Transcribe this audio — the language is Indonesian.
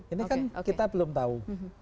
ini kan kita belum tahu